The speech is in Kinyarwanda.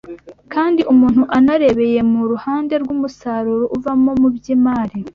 Kandi umuntu anarebeye mu ruhande rw’umusaruro uvamo mu by’imari